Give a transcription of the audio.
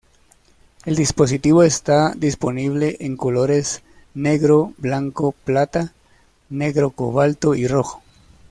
El dispositivo está disponible en colores negro, blanco plata, negro cobalto y rojo.